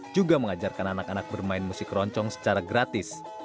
juga mengajarkan anak anak bermain musik keroncong secara gratis